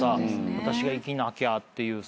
「私が生きなきゃ」って。